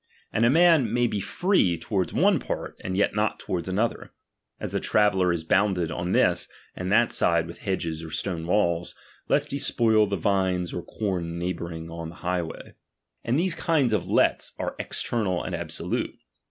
And a man may be free toward one part, and yet not toward another ; as the traveller is bounded on this and that side with hedges or stone walls, lest he spoil the vines or com neigh bouring on the highway. And these kinds of lets are external and absolute.